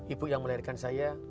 ibu yang melahirkan saya